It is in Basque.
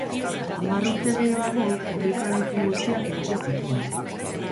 Hamar urte geroago, herriko eraikin guztiak erosi zituen.